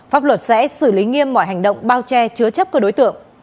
pháp luật sẽ xử lý nghiêm mọi hành động bao che chứa chấp các đối tượng